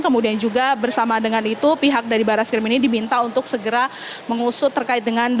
kemudian juga bersama dengan itu pihak dari barat skrim ini diminta untuk segera mengusut terkait dengan